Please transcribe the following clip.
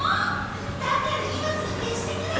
だから今すぐ消してくれ！